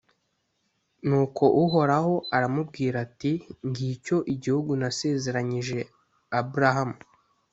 nuko uhoraho aramubwira ati «ngicyo igihugu nasezeranyije abrahamu,